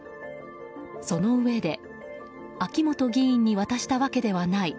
そのうえで秋本議員に渡したわけではない。